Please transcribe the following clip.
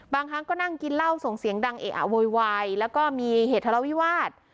บางครั้งก็นั่งกินเหล้าส่งเสียงดังเอะอะโวยวายแล้วก็มีเหตุทะเลาวิวาส